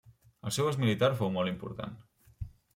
El seu ús militar fou molt important.